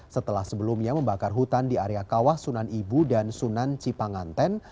setelah sebelumnya membakar hutan di area kawah sunan ibu dan sunan cipanganten